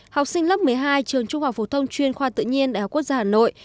học sinh lớp một mươi hai trường trung học phổ thông chuyên khoa tự nhiên đhq hà nội